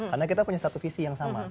karena kita punya satu visi yang sama